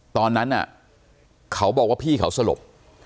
ตอนนั้นเขาบอกว่าพี่เขาสลบ